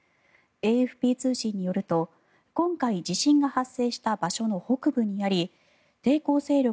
ＡＦＰ通信によると今回、地震が発生した場所の北部にあり抵抗勢力